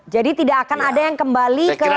jadi tidak akan ada yang kembali ke partai